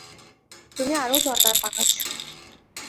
তুমি আরও জটলা পাকাচ্ছ!